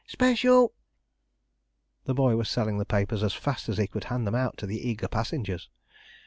Special!" The boy was selling the papers as fast as he could hand them out to the eager passengers.